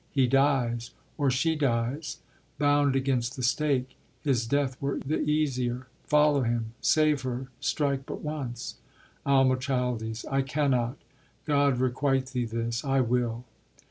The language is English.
He dies, Or she dies, bound against the stake. His death Were the easier. Follow him: save her: strike but once. ALMACHILDES. I cannot. God requite thee this! I will.